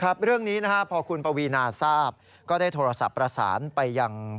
เรื่องนี้นะฮะพอคุณปวีนาทราบก็ได้โทรศัพท์ประสานไปยัง